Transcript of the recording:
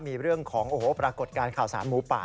มีเรื่องของปรากฏการณ์ข่าวสารหมูป่า